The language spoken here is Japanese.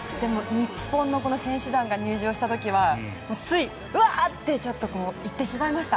日本の選手団が入場した時はつい、ワーッ！って言ってしまいました。